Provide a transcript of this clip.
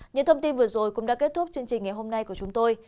những thông tin vừa rồi cũng đã kết thúc chương trình ngày hôm nay của chúng tôi